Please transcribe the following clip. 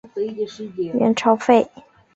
元朝废。